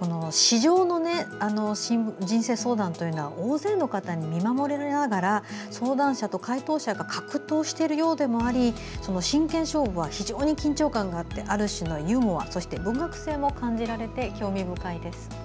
紙上の人生相談というのは大勢の方に見守られながら相談者と回答者が格闘しているようでもあり真剣勝負は非常に緊張感があってある種のユーモアそして文学性も感じられて興味深いです。